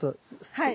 はい。